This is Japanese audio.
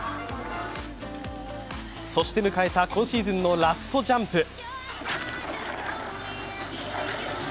そして迎えた今シーズンのラストジャンプ。